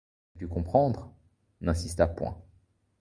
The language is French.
Elle dut comprendre, n'insista point.